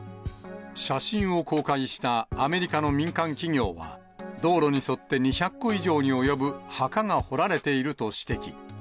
写真を公開したアメリカの民間企業は、道路に沿って２００個以上に及ぶ墓が掘られていると指摘。